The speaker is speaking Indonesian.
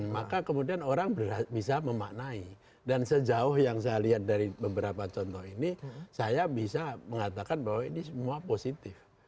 maka kemudian orang bisa memaknai dan sejauh yang saya lihat dari beberapa contoh ini saya bisa mengatakan bahwa ini semua positif